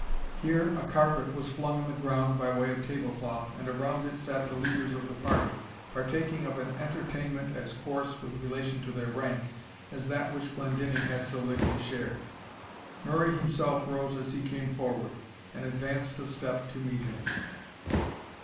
Here a carpet was flung on the ground by way of table cloth, and around it sat the leaders of the party, partaking of an entertainment as coarse, with relation to their rank, as that which Glendinning had so lately shared. Murray himself rose as he came forward, and advanced a step to meet him.